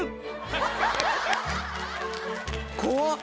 怖っ！